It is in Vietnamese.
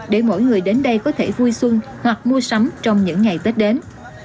để mỗi người đến đây có thể vui xuân hoặc mua sắm trong những ngày tết đến